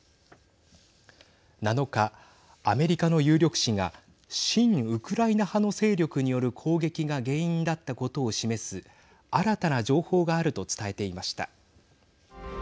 ７日アメリカの有力紙が親ウクライナ派の勢力による攻撃が原因だったことを示す新たな情報があると伝えていました。